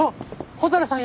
蛍さん